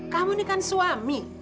kamu ini kan suami